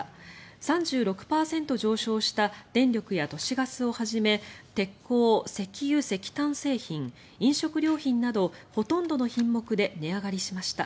３６％上昇した電力や都市ガスをはじめ鉄鋼、石油・石炭製品飲食料品などほとんどの品目で値上がりしました。